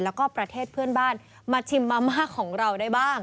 แล้วก็ประเทศเพื่อนบ้านมาชิมมาม่าของเราได้บ้าง